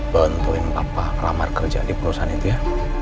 bantuin papa lamar kerja di perusahaan itu ya